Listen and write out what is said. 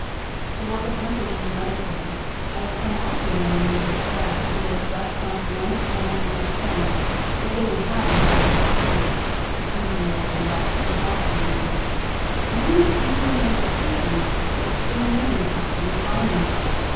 The work of hunters is another thing:I have come after them and made repairWhere they have left not one stone on a stone, But they would have the rabbit out of hiding, To please the yelping dogs. The gaps I mean, No one has seen them made or heard them made, But at spring mending time we find them there.